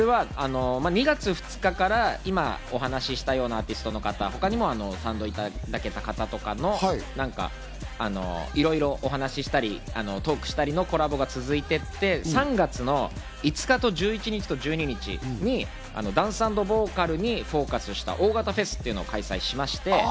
２月２日から今、お話したようなアーティストの方、他にも賛同いただけた方、いろいろお話をしたりトークしたりのコラボが続いていって、３月の５日と１１日と１２日にダンス＆ボーカルにフォーカスした大型フェスを開催しまして。